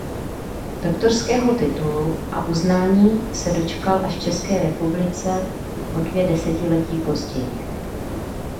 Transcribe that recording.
Doktorského titulu a uznání se dočkal až v České republice o dvě desetiletí později.